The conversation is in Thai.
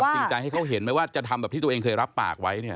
อยากสนใจให้เขาเห็นไม่ว่าจะทำแบบที่ตัวเองเคยรับปากไว้